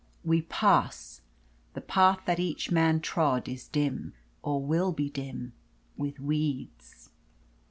We pass; the path that each man trod Is dim, or will be dim, with weeds.